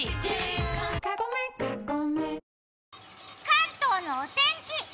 関東のお天気。